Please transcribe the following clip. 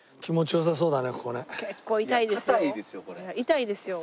痛いですよ。